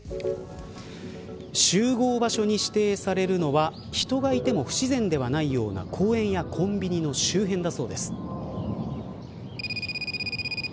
集合場所に指定されるのは人がいても不自然ではないような公園やコンビニの周辺だそうです。